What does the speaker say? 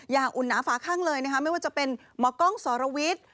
อุ่นหนาฝาข้างเลยนะคะไม่ว่าจะเป็นหมอกล้องสรวิทย์